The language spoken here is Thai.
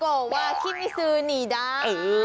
โกโกวาคิมมิซูหนีได้